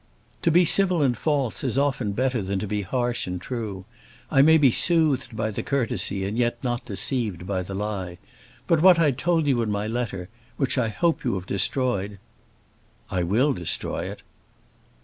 "To be civil and false is often better than to be harsh and true. I may be soothed by the courtesy and yet not deceived by the lie. But what I told you in my letter, which I hope you have destroyed " "I will destroy it."